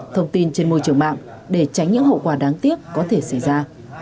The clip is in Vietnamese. thông tin trên môi trường mạng để tránh những hậu quả đáng tiếc có thể xảy ra